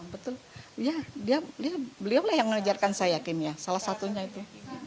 betul ya beliau yang mengajarkan saya kimia salah satunya itu